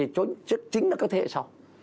chính là các thế hệ sau